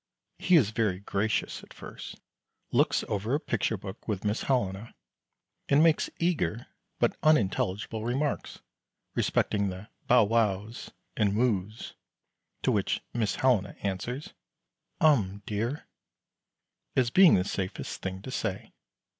He is very gracious at first, looks over a picture book with Miss Helena, and makes eager but unintelligible remarks respecting the "bow wows" and "moos," to which Miss Helena answers, "Um, dear," as being the safest thing to say.